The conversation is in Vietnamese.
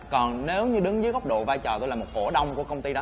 còn nếu như đứng dưới góc độ vai trò tôi là một cổ đông của công ty đó